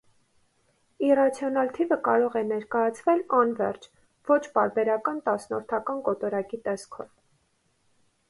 Իռացիոնալ թիվը կարող է ներկայացվել անվերջ ոչ պարբերական տասնորդական կոտորակի տեսքով։